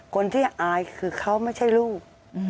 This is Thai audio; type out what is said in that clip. คนที่อายคือเขาไม่ใช่ลูก